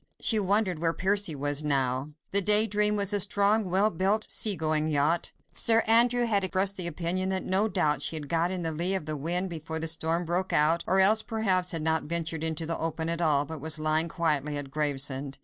She wondered where Percy was now. The Day Dream was a strong, well built, sea going yacht. Sir Andrew had expressed the opinion that no doubt she had got in the lee of the wind before the storm broke out, or else perhaps had not ventured into the open at all, but was lying quietly at Gravesend.